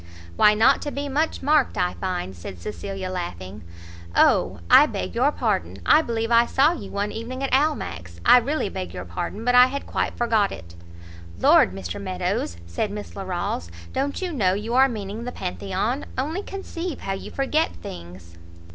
"Why not to be much marked, I find!" said Cecilia, laughing. "O, I beg your pardon! I believe I saw you one evening at Almack's; I really beg your pardon, but I had quite forgot it." "Lord, Mr Meadows," said Miss Larolles, "don't you know you are meaning the Pantheon? only conceive how you forget things!"